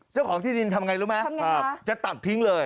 เจ้าของที่ดินทำไงรู้ไหมจะตัดทิ้งเลย